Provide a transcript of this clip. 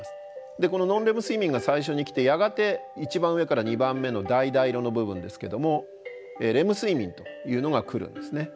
でこのノンレム睡眠が最初に来てやがて一番上から２番目のだいだい色の部分ですけどもレム睡眠というのが来るんですね。